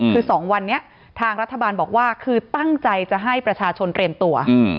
คือ๒วันนี้ทางรัฐบาลบอกว่าคือตั้งใจจะให้ประชาชนเรียนตัว